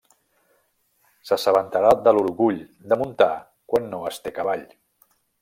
S'assabentarà de l'orgull de muntar quan no es té cavall.